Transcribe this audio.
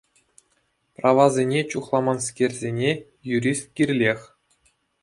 Правасене чухламанскерсене юрист кирлех.